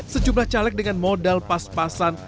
sejumlah caleg dengan modal pas pasan